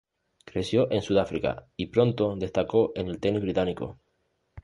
Creció en Sudáfrica y pronto destacó en el tenis británico.